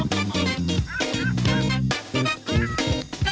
โปรดติดตามตอนต่อไป